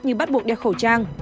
như bắt buộc đeo khẩu trang